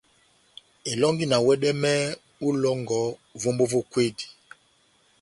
Elɔ́ngi na wɛdɛmɛhɛ ó ilɔ́ngɔ vómbo vó kwedi.